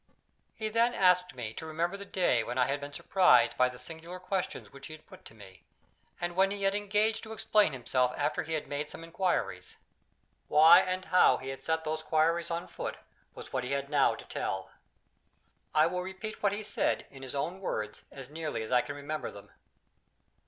He then asked me to remember the day when I had been surprised by the singular questions which he had put to me, and when he had engaged to explain himself after he had made some inquiries. Why, and how, he had set those inquiries on foot was what he had now to tell. I will repeat what he said, in his own words, as nearly as I can remember them.